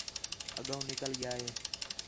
اڳّوں نِکل ڳِیا ہے